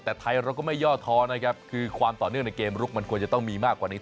แต่ไทยเราก็ไม่ย่อท้อนะครับคือความต่อเนื่องในเกมลุกมันควรจะต้องมีมากกว่านี้